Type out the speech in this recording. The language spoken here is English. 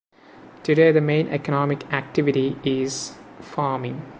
Today the main economic activity is farming.